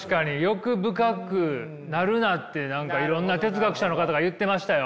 欲深くなるなって何かいろんな哲学者の方が言ってましたよ